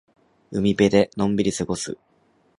海辺でのんびり過ごす。